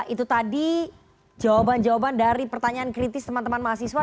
itu tadi jawaban jawaban dari pertanyaan kritis teman teman mahasiswa